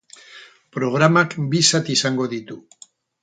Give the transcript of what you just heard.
Programak bi zati izango ditu.